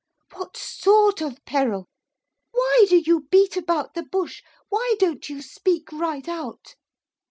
'What sort of peril? Why do you beat about the bush, why don't you speak right out?